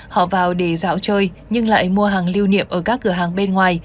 họ vào để dạo chơi nhưng lại mua hàng lưu niệm ở các cửa hàng bên ngoài